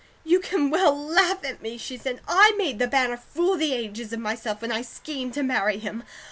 "You can well LAUGH at me," she said. "I made the banner fool of the ages of myself when I schemed to marry him.